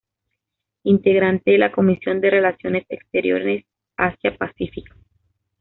Integrante de la Comisión de Relaciones Exteriores Asia-Pacífico.